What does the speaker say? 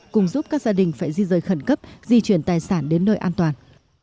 cùng giúp các gia đình phải di rời khẩn cấp di chuyển tài sản đến nơi an toàn